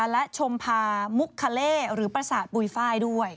และชมพามุกคาเล่หรือประสาทปุ๋ยไฟล์ด้วย